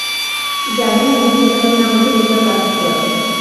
জানি, আমাদের চিন্তাভাবনার মধ্যে বিস্তর পার্থক্য আছে।